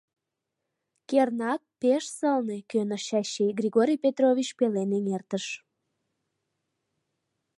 — Кернак, пеш сылне, — кӧныш Чачи, Григорий Петрович пелен эҥертыш.